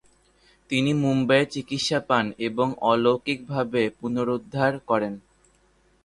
তিনি মুম্বাইয়ে চিকিৎসা পান এবং অলৌকিকভাবে পুনরুদ্ধার করেন।